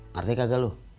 ngerti kagak lo